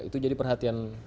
itu jadi perhatian